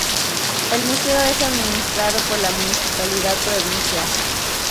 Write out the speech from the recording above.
El museo es administrado por la municipalidad provincial.